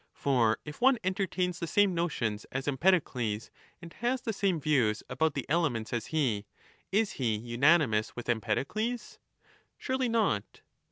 15 For if one entertains the same notions as Empedocles and has the same views about the elements as he, is he unanimous with Empedocles ? Surely not